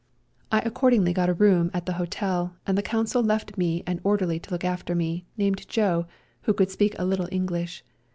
I ac cordingly got a room at the hotel, and the Consul left me an orderly to look after me,, named Joe, who could speak a little English.